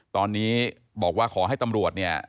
ตอนนี้บอกว่าขอให้ตำรวจเนี่ย